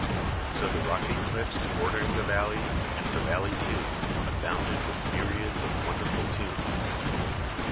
So the rocky cliffs bordering the valley, and the valley too, abounded with myriads of wonderful tombs.